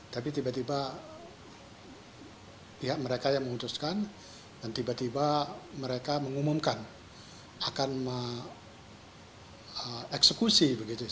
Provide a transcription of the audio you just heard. tapi tiba tiba pihak mereka yang memutuskan dan tiba tiba mereka mengumumkan akan mengeksekusi